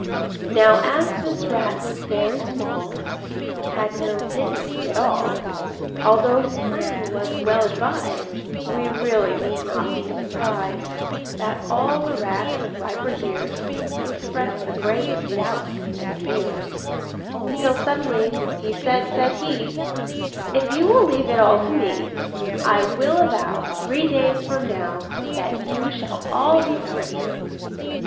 Now as this rat was very small, And had no dignity at all, Although his plan was well advised, We really need not be surprised That all the rats of riper years Expressed the gravest doubts and fears; Till suddenly He said, said he, "If you will leave it all to me, [Pg 35] I will avow Three days from now That you shall all be free."